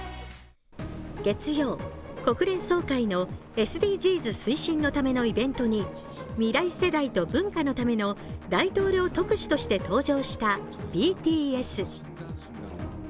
月曜、国連総会のＳＤＧｓ推進のためのイベントに未来世代と文化のための大統領特使として登場したＢＴＳ。